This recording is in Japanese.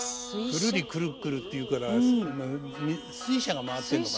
「くるりくるくる」っていうから水車が回ってるのかな